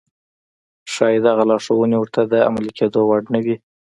ښايي دغه لارښوونې ورته د عملي کېدو وړ نه وي.